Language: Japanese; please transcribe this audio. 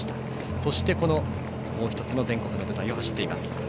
そしてもう１つの全国の舞台を走ります。